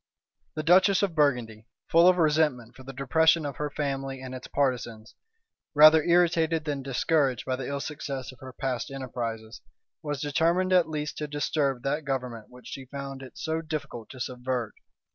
The duchess of Burgundy, full of resentment for the depression of her family and its partisans, rather irritated than discouraged by the ill success of her past enterprises, was determined at least to disturb that government which she found it so difficult to subvert.